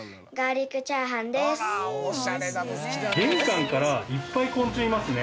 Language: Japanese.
玄関からいっぱい昆虫いますね。